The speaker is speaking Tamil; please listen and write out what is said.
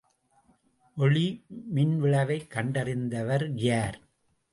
ஒளி மின்விளைவைக் கண்டறிந்தவர் யார்?